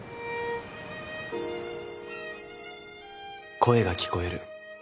声が聞こえる